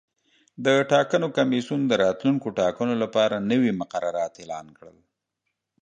د ټاکنو کمیسیون د راتلونکو ټاکنو لپاره نوي مقررات اعلان کړل.